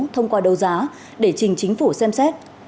thông qua đấu giá để trình chính phủ xem xét